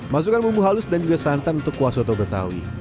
masukkan bumbu halus dan juga santan untuk kuah soto betawi